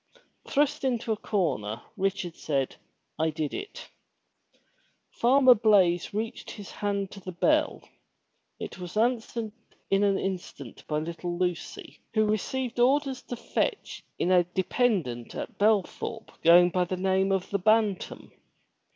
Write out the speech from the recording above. Thrust into a corner, Richard said, *'I did it." Farmer Blaize reached his hand to the bell. It was answered in an instant by little Lucy, who received orders to fetch in a dependent at Belthorpe going by the name of the Bantam.